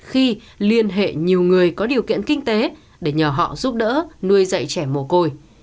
khi liên hệ nhiều người có điều kiện kinh tế để nhờ họ giúp đỡ nuôi dạy trẻ mồ côi